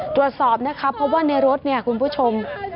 ตรวจสอบนะคะเพราะว่าในรถเนี่ยคุณผู้ชม